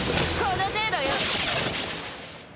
この程度よ！